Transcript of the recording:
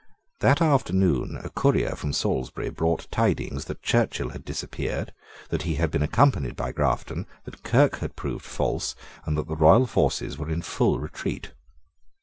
That afternoon a courier from Salisbury brought tidings that Churchill had disappeared, that he had been accompanied by Grafton, that Kirke had proved false, and that the royal forces were in full retreat.